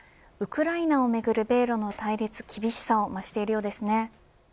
ウクライナをめぐる米露の対立は厳しさを増しているようですね。